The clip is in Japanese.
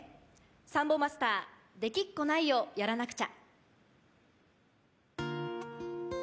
サンボマスター『できっこないをやらなくちゃ』。